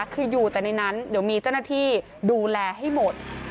คืออยู่แต่ในนั้นเดี๋ยวมีเจ้าหน้าที่ดูแลให้หมด